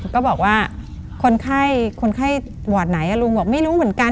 ก็บอกว่าคนไข้คนไข้วอดไหนลุงบอกไม่รู้เหมือนกัน